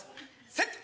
セット！